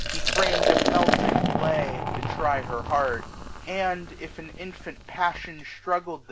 He fram'd a melting lay, to try her heart j And, if an infant passion struggled there.